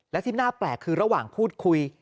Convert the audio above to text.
และที่น่าแปลกคือระหว่างพูดคุย